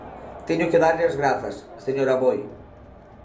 Teño que darlle as grazas, señor Aboi.